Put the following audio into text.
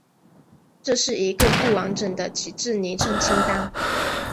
这是一个不完整的旗帜昵称清单。